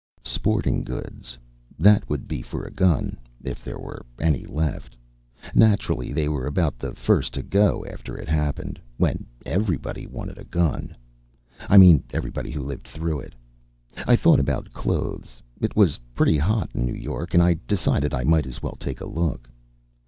Sporting Goods that would be for a gun, if there were any left. Naturally, they were about the first to go after it happened, when everybody wanted a gun. I mean everybody who lived through it. I thought about clothes it was pretty hot in New York and decided I might as well take a look.